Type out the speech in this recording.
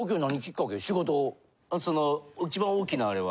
その一番大きなあれは？